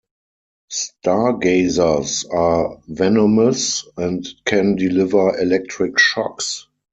Stargazers are venomous and can deliver electric shocks.